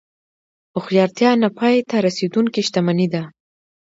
هوښیارتیا نه پای ته رسېدونکې شتمني ده.